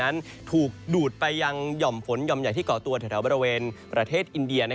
นั้นถูกดูดไปยังห่อมฝนหย่อมใหญ่ที่ก่อตัวแถวบริเวณประเทศอินเดีย